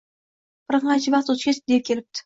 Bir qancha vaqt o’tgach, dev kelipti.